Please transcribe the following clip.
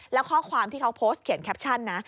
แล้วข้อความที่เขาโพสต์เขียนแคปชั่นนะ